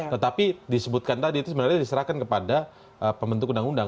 tetapi disebutkan tadi itu sebenarnya diserahkan kepada pembentuk undang undang